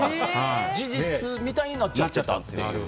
事実みたいになっちゃったっなっちゃったという。